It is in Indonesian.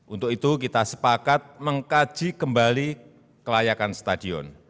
untuk itu kita sepakat mengkaji kembali kelayakan stadion